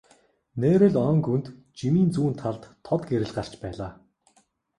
Нээрээ л ойн гүнд жимийн зүүн талд тод гэрэл гарч байлаа.